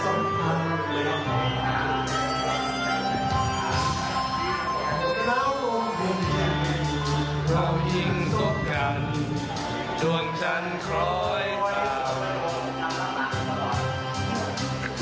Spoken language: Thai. แล้ววงคุณหยิบเรายิ่งสกกันจนฉันคล้อยตาม